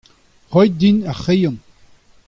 Roit din ar c'hreion.